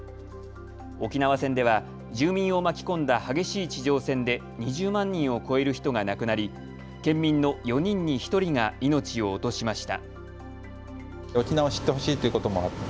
沖縄戦では住民を巻き込んだ激しい地上戦で２０万人を超える人が亡くなり県民の４人に１人が命を落としました。